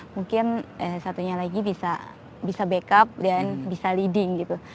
mungkin satunya lagi bisa backup dan bisa leading gitu